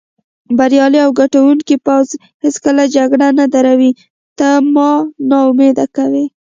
بریالی او ګټوونکی پوځ هېڅکله جګړه نه دروي، ته ما نا امیده کوې.